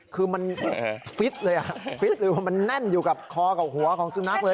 คือมันฟิตเลยฟิตเลยว่ามันแน่นอยู่กับคอกับหัวของสุนัขเลย